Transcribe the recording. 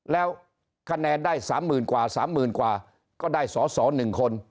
แล้วคะแนนได้สามหมื่นกว่าสามหมื่นกว่าก็ได้สอสอหนึ่งคน